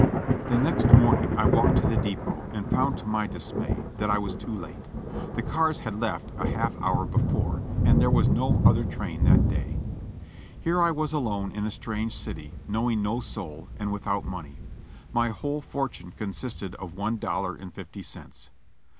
464 JOHNNY kEB AND BIIXY YANK The next morning I walked to the depot and found to my dis may that I was too late ; the cars had left a half hour before, and there was no other train that day. Here I was alone in a strange city, knowing no soul, and without money. My whole fortune consisted of one dollar and fifty cents.